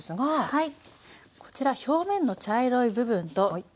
はい。